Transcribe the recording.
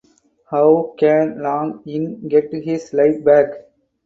How can Long Ying get his life back?